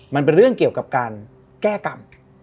มันเป็นเรื่องเกี่ยวกับการแก้กรรม